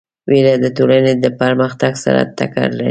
وېره د ټولنې له پرمختګ سره ټکر لري.